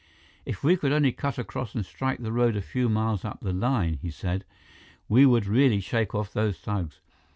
"If we could only cut across and strike the road a few miles up the line," he said, "we would really shake off those thugs.